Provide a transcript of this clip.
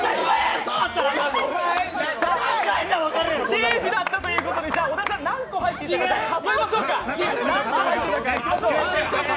セーフだったということで小田さん、何個入ってたか数えましょうか。